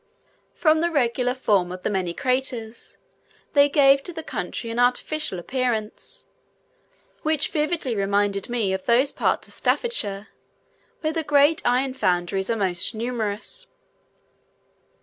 From the regular form of the many craters, they gave to the country an artificial appearance, which vividly reminded me of those parts of Staffordshire, where the great iron foundries are most numerous.